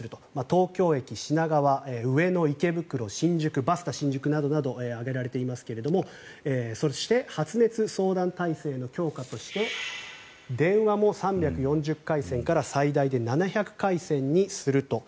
東京駅、品川、上野、池袋新宿、バスタ新宿などなど挙げられてますがそして発熱相談体制の強化として電話も３４０回線から最大７００回線にすると。